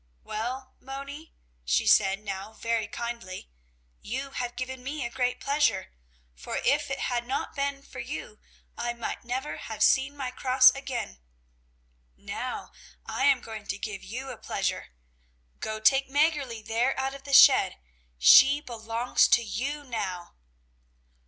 "Well, Moni," she said now very kindly, "you have given me a great pleasure, for if it had not been for you, I might never have seen my cross again. Now, I am going to give you a pleasure. Go take Mäggerli there out of the shed, she belongs to you now!"